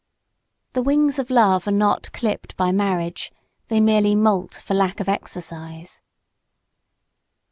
The wings of love are not clipped by marriage; they merely molt for lack of exercise.